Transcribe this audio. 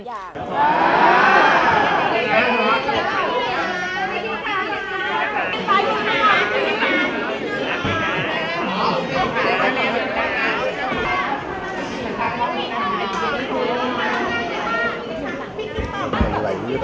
ต้องการติดต่อไปส่วนที่ไม่มีเวลา